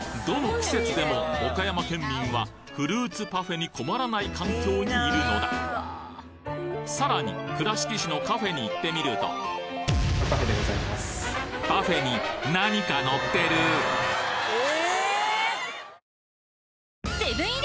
季節でも岡山県民はフルーツパフェに困らない環境にいるのださらに倉敷市のカフェに行ってみるとパフェに何かのってるえ！？